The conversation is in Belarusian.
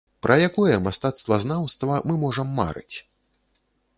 Пра якое мастацтвазнаўства мы можам марыць?